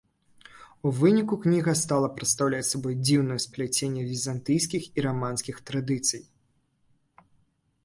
У выніку кніга стала прадстаўляць сабой дзіўнае спляценне візантыйскіх і раманскіх традыцый.